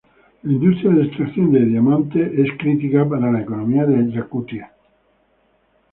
La industria de extracción de diamantes es crítica para la economía de Yakutia.